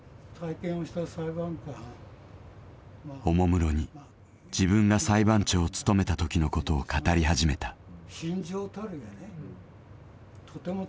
おもむろに自分が裁判長を務めたときのことを語り始めた。